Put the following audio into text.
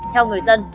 theo người dân